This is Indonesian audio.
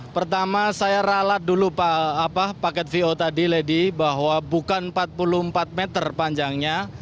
pertama saya ralat dulu paket vo tadi lady bahwa bukan empat puluh empat meter panjangnya